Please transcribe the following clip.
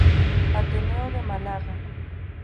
Ateneo de Málaga.